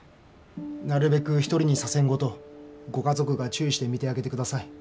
なるべく一人にさせんごとご家族が注意して見てあげてください。